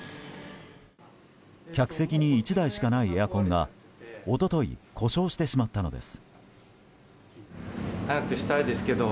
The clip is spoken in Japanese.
客席に１台しかないエアコンが一昨日故障してしまったのです。